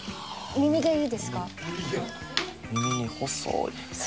耳毛細い。